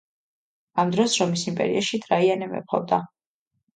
ამ დროს რომის იმპერიაში ტრაიანე მეფობდა.